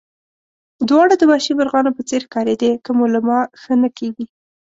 دواړه د وحشي مرغانو په څېر ښکارېدې، که مو له ما ښه نه کېږي.